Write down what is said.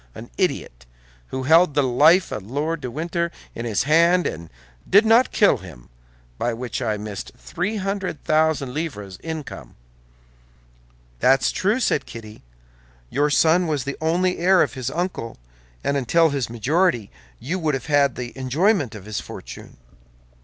An idiot, who held the life of Lord de Winter in his hands and did not kill him, by which I missed three hundred thousand livres' income." "That's true," said Kitty; "your son was the only heir of his uncle, and until his majority you would have had the enjoyment of his fortune."